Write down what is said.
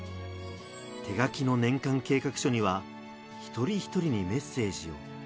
手書きの年間計画書には一人一人にメッセージを。